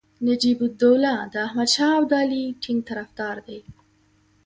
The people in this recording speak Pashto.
نجیب الدوله د احمدشاه ابدالي ټینګ طرفدار دی.